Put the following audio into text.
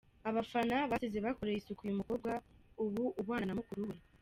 Abafana basize bakoreye isuku uyu mukobwa ubu ubana na mukuru we.